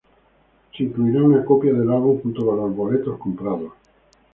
Se incluirá una copia del álbum junto con los boletos comprados.